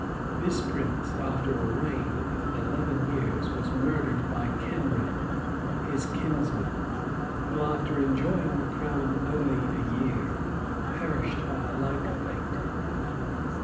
This prince, after a reign of eleven years, was murdered by Kenred, his kinsman, who, after enjoying the crown only a year, perished by a like fate.